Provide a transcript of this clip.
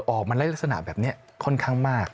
ออกมาในลักษณะแบบนี้ค่อนข้างมาก